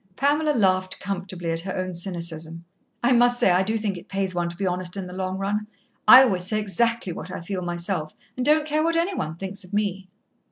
Pamela laughed comfortably at her own cynicism. "I must say I do think it pays one to be honest in the long run. I always say exactly what I feel myself, and don't care what any one thinks of me."